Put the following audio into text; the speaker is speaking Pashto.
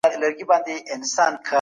تاسو به د ژوند په هر ډګر کي بریا مومئ.